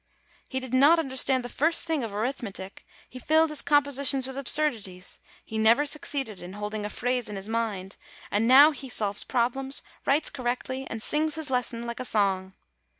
He did not understand the first thing of arithmetic, he filled his compositions with absurdities, he never succeeded in holding a phrase in his mind; and now he solves problems, writes correctly, and sings his lesson like a song.